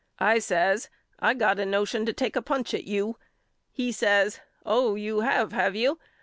I says I got a notion to take a punch at you. He says Oh you have have you?